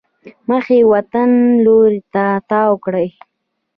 مخ یې وطن لوري ته تاو کړی.